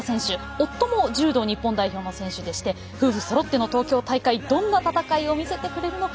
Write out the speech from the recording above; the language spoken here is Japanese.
夫も柔道代表の選手でして夫婦そろっての東京大会どんな戦いを見せてくれるのか。